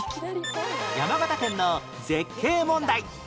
山形県の絶景問題